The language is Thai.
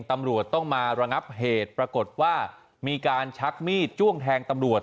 ตำรวจต้องมาระงับเหตุปรากฏว่ามีการชักมีดจ้วงแทงตำรวจ